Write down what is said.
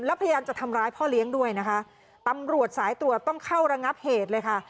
แล้วพยายามจะทำร้ายพ่อเลี้ยงด้วยนะคะตำรวจสายตรวจต้องเข้าระงับเหตุเลยค่ะ